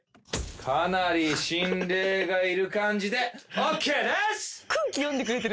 かなり心霊がいる感じでＯＫです！